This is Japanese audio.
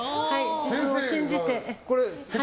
自分を信じて。